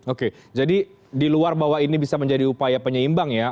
oke jadi di luar bahwa ini bisa menjadi upaya penyeimbang ya